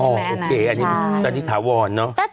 โอเคอันนี้ถาวรเนอะ